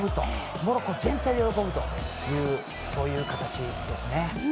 モロッコ全体で喜ぶというそういう形ですね。